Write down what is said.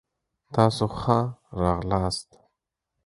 تاسو ښه راغلاست.